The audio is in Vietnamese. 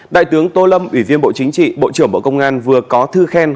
đại tướng tô lâm ủy viên bộ chính trị bộ trưởng bộ công an vừa có thư khen